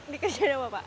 dikerjain sama pak